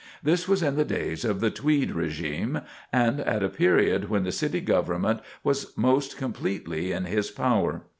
This was in the days of the Tweed régime, and at a period when the City Government was most completely in his power.